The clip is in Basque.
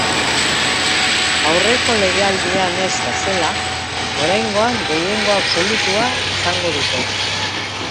Aurreko legealdian ez bezala, oraingoan gehiengo absolutua izango dute.